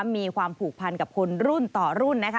มีความผูกพันกับคนรุ่นต่อรุ่นนะคะ